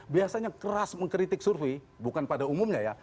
biasanya keras mengkritik survei bukan pada umumnya ya